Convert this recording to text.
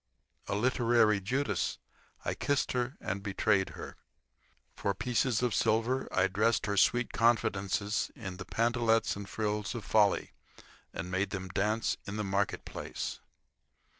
A literary Judas, I kissed her and betrayed her. For pieces of silver I dressed her sweet confidences in the pantalettes and frills of folly and made them dance in the market place.